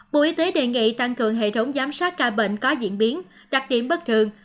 bộ y tế đề nghị tăng cường hệ thống giám sát ca bệnh có diễn biến đặc điểm bất thường